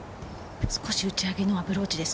少し打ち上げのアプローチです。